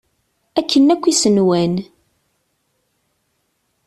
Akken akk i s-nwan.